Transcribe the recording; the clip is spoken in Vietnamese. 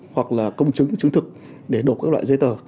hoặc là công chứng chứng thực để đổ các loại giấy tờ